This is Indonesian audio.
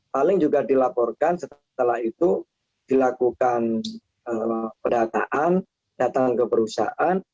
paling juga dilaporkan setelah itu dilakukan pendataan datang ke perusahaan